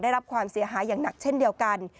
ได้รับความเสียหายอย่างหนักเช่นเดียวกัน